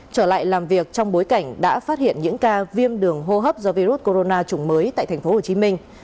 trở lại làm việc trong bối cảnh đã phát hiện những ca viêm đường hô hấp do virus corona chủng mới tại thành phố hồ chí minh